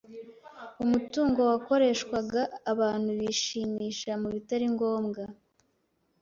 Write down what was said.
Umutungo wakoreshwaga abantu bishimisha mu bitari ngombwa.